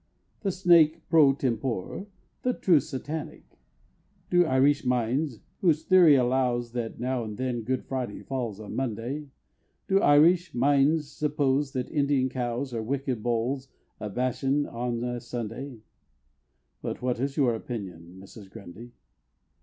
The Snake, pro tempore, the true Satanic? Do Irish minds, (whose theory allows That now and then Good Friday falls on Monday) Do Irish minds suppose that Indian Cows Are wicked Bulls of Bashan on a Sunday But what is your opinion, Mrs. Grundy?